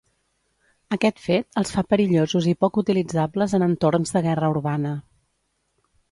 Aquest fet els fa perillosos i poc utilitzables en entorns de guerra urbana.